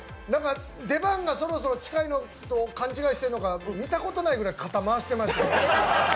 出番がそろそろ近いと勘違いしているのか見たことないくらい、肩回してました。